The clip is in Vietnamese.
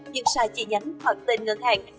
nhưng sai chi nhánh hoặc tên ngân hàng